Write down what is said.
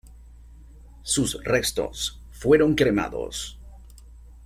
Sus restos fueron cremados.